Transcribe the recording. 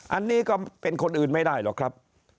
อันนี้ก็เป็นคนอื่นไม่ได้หรอกครับ